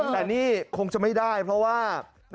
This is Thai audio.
แต่นี่คงจะไม่ได้เพราะว่า